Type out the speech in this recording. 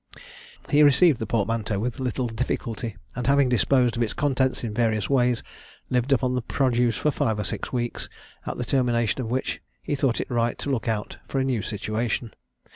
He received the portmanteau with little difficulty, and having disposed of its contents in various ways, lived upon the produce for five or six weeks, at the termination of which he thought it right to look out for a new situation.